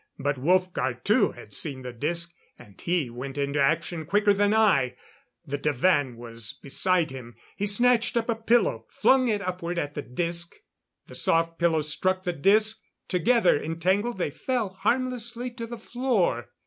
But Wolfgar, too, had seen the disc and he went into action quicker than I. The divan was beside him. He snatched up a pillow; flung it upward at the disc. The soft pillow struck the disc; together, entangled, they fell harmlessly to the floor.